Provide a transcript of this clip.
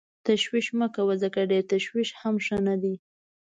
تشویش مه کوه ځکه ډېر تشویش هم ښه نه دی.